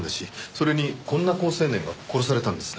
それにこんな好青年が殺されたんです。